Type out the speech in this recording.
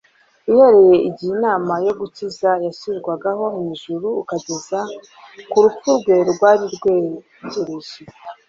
uhereye igihe inama yo gukiza yashyirwagaho mu ijuru ukageza ku rupfu rwe rwari rwegereje.